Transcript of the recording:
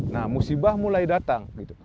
nah musibah mulai datang